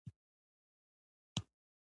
وسله په لرغوني وخت کې له ډبرو جوړه وه